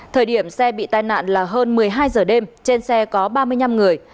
thời điểm xe bị tai nạn là hơn một mươi hai giờ đêm trên xe có ba mươi năm người